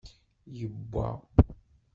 Yewwa?